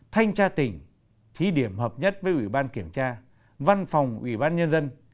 thanh tra tỉnh thí điểm hợp nhất với ủy ban kiểm tra văn phòng ủy ban nhân dân